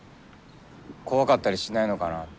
怖かったりしないのかなって。